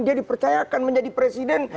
dia dipercayakan menjadi presiden